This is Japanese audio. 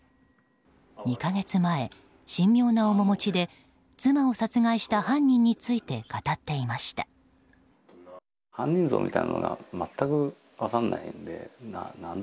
２か月前、神妙な面持ちで妻を殺害した犯人について語っていました。